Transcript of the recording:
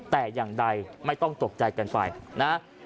แต่อย่างใดไม่ต้องตกใจกันไปนะ